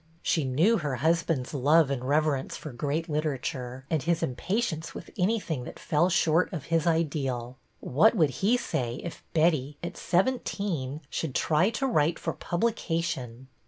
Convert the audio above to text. She knew her husband's love and rever ence for great literature, and his impatience with anything that fell short of his ideal. What would he say if Betty, at seventeen, should try to write for publication